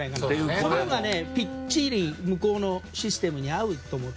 そのほうが向こうのシステムに合うと思って。